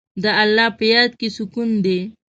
د الله په یاد کې سکون دی.